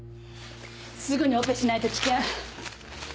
すぐにオペしないと危険。